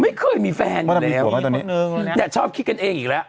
ไม่เคยมีแฟนอยู่แล้วตอนนี้เนี่ยชอบคิดกันเองอีกแล้ว